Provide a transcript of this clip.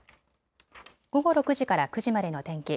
午後６時から９時までの天気。